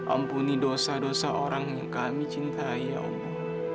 ampuni dosa dosa orang yang kami cintai ya allah